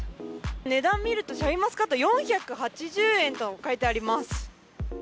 値段を見るとシャインマスカット４８０円と書いてあります。